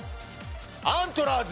アントラーズ！